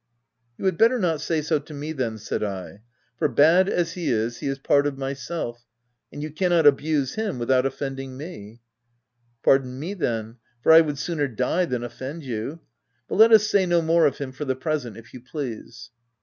1 *" You had better not say so to me, then," said I ;" for, bad as he is, he is part of myself, and you cannot abuse him without offending n me. " Pardon me, then, for I would sooner die than offend you — But let us say no more of him for the present if you please."